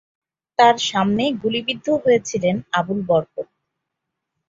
তার সামনে গুলিবিদ্ধ হয়েছিলেন আবুল বরকত।